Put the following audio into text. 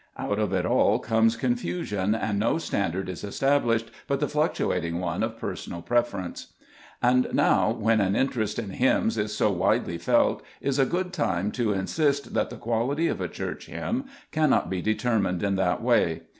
Out of it all comes confusion, and no standard is estab lished but the fluctuating one of personal preference. And now, when an interest in hymns is so widely felt, is a good time to insist that the quality of a Church hymn cannot be deter mined in that way.